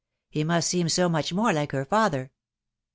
... .he must seem so^machnaore like her father."'